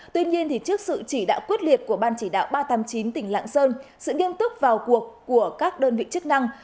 tuy nhiên trước sự chỉ đạo quyết liệt của ban chỉ đạo ba trăm tám mươi chín tỉnh lạng sơn sự nghiêm túc vào cuộc của các đơn vị chức năng